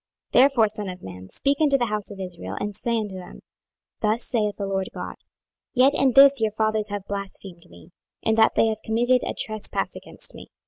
26:020:027 Therefore, son of man, speak unto the house of Israel, and say unto them, Thus saith the Lord GOD; Yet in this your fathers have blasphemed me, in that they have committed a trespass against me.